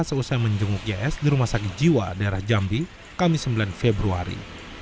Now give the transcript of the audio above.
seusai menjenguk ys di rumah sakit jiwa daerah jambi kamis sembilan februari